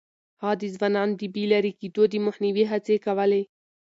هغه د ځوانانو د بې لارې کېدو د مخنيوي هڅې کولې.